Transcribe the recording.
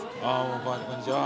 こんにちは。